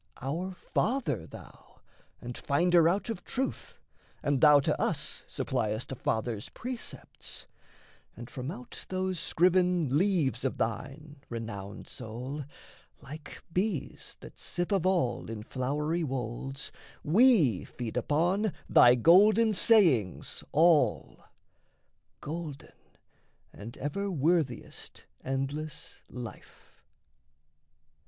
Our father thou, And finder out of truth, and thou to us Suppliest a father's precepts; and from out Those scriven leaves of thine, renowned soul (Like bees that sip of all in flowery wolds), We feed upon thy golden sayings all Golden, and ever worthiest endless life.